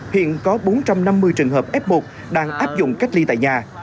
hiện có bốn trăm năm mươi trường hợp f một đang áp dụng cách ly tại nhà